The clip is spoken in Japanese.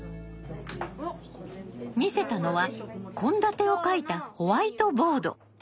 見せたのは献立を書いたホワイトボード。